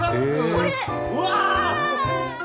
うわ！